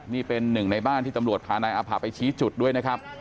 นี่เป็นหนึ่งในบ้านที่ตำรวจพานายอาภาไปชี้จุดด้วยนะครับ